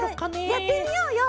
やってみようよ！